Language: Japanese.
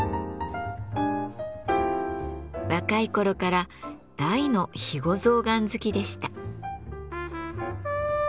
若い頃から大の肥後象がん好きでした。